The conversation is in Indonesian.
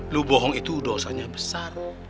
lu bohong itu dosanya besar